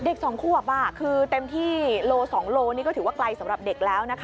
๒ควบคือเต็มที่โล๒โลนี่ก็ถือว่าไกลสำหรับเด็กแล้วนะคะ